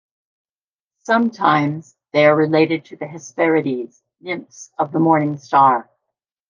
Sometimes they are related to the Hesperides, nymphs of the morning star.